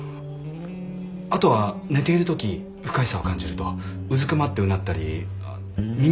あとは寝ている時不快さを感じるとうずくまってうなったり耳を塞ぐんです。